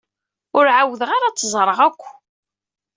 Ur ɛawdeɣ ara ad t-ẓreɣ akk.